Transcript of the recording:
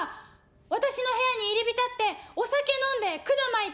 私の部屋に入り浸ってお酒飲んでくだ巻いて。